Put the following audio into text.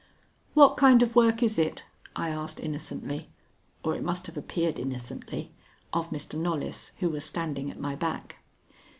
"What kind of work is it?" I asked innocently, or it must have appeared innocently, of Mr. Knollys, who was standing at my back.